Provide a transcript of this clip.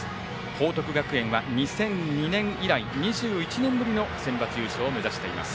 報徳学園は２００２年以来、２１年ぶりのセンバツ優勝を目指しています。